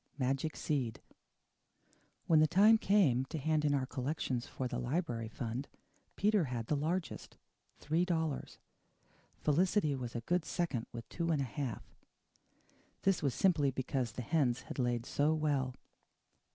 MAGIC SEED When the time came to hand in our collections for the library fund Peter had the largest three dollars. Felicity was a good second with two and a half. This was simply because the hens had laid so well.